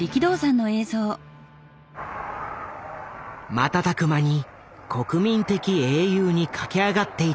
瞬く間に国民的英雄に駆け上がっていった力道山。